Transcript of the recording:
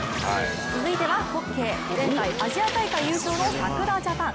続いてはホッケー、前回アジア大会優勝のさくらジャパン。